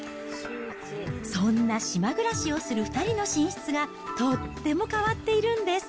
そんな島暮らしをする２人の寝室が、とっても変わっているんです。